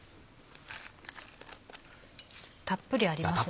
たっぷりありますね。